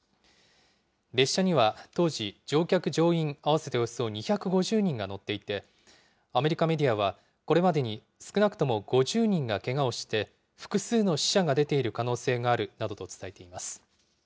列車には当時、乗客・乗員合わせておよそ２５０人が乗っていて、アメリカメディアはこれまでに、少なくとも５０人がけがをして、複数の死者が出ている可能性があるなどと伝えています。